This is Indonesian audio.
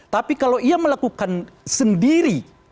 tapi kalau ia melakukan sendiri